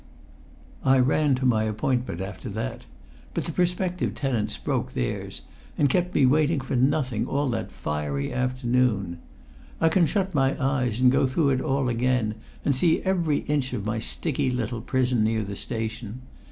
I ran to my appointment after that; but the prospective tenants broke theirs, and kept me waiting for nothing all that fiery afternoon. I can shut my eyes and go through it all again, and see every inch of my sticky little prison near the station.